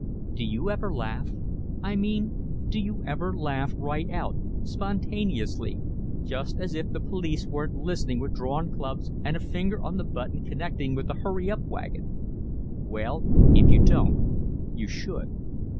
Do you ever laugh? I mean do you ever laugh right out spontaneously just as if the police weren't listening with drawn clubs and a finger on the button connecting with the "hurry up" wagon? Well, if you don't, you should.